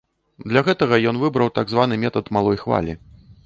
Для гэтага ён выбраў так званы метад малой хвалі.